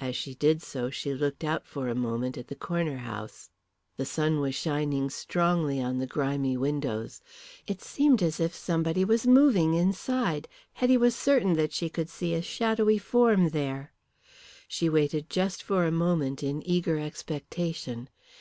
As she did so she looked out for a moment at the Corner House. The sun was shining strongly on the grimy windows. It seemed as if somebody was moving inside. Hetty was certain that she could see a shadowy form there. She waited just for a moment in eager expectation.